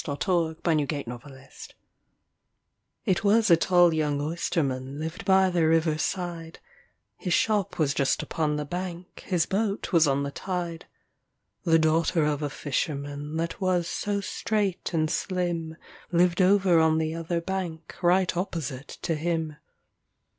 THE BALLAD OF THE OYSTERMAN IT was a tall young oysterman lived by the river side, His shop was just upon the bank, his boat was on the tide; The daughter of a fisherman, that was so straight and slim, Lived over on the other bank, right opposite to him.